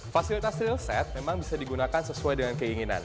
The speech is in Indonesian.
fasilitas reel set memang bisa digunakan sesuai dengan keinginan